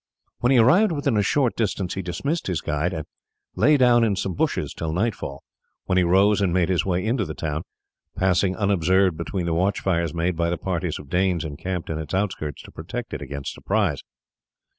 When he arrived within a short distance he dismissed his guide and lay down in some bushes till nightfall, then he rose and made his way into the town, passing unobserved between the watch fires made by the parties of Danes encamped in its outskirts to protect it against surprise.